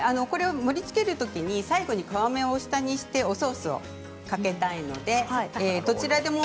盛りつけるとき最後に皮目を下にしておソースをかけたいのでどちらでも。